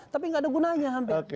tapi nggak ada gunanya hampir